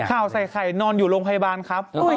ข่าวใส่ไข่นอนอยู่โรงพยาบาลครับ